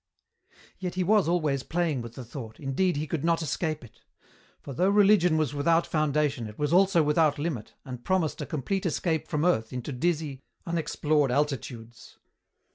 Yet he was always playing with the thought, indeed he could not escape it. For though religion was without foundation it was also without limit and promised a complete escape from earth into dizzy, unexplored altitudes.